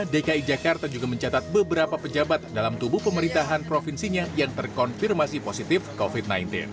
dki jakarta juga mencatat beberapa pejabat dalam tubuh pemerintahan provinsinya yang terkonfirmasi positif covid sembilan belas